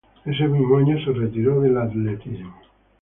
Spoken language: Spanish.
Ese mismo año se retiró del atletismo.